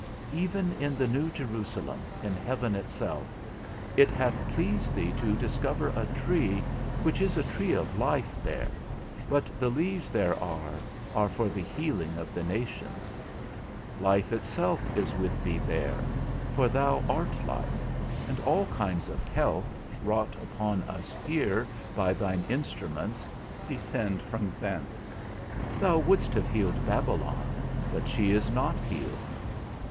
Even in the new Jerusalem, in heaven itself, it hath pleased thee to discover a tree, which is a tree of life there, but the leaves thereof are for the healing of the nations. Life itself is with thee there, for thou art life; and all kinds of health, wrought upon us here by thine instruments, descend from thence. _Thou wouldst have healed Babylon, but she is not healed.